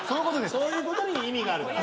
そういうことに意味があるから。